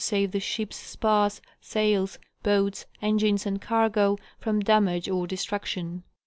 save the ship's spars, sails, boats, engines, and cargo, from damage or destruction.